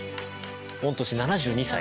御年７２歳。